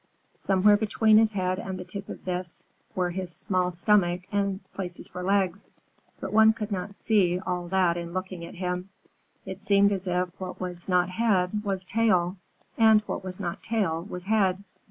Somewhere between his head and the tip of this were his small stomach and places for legs, but one could not see all that in looking at him. It seemed as if what was not head was tail, and what was not tail was head.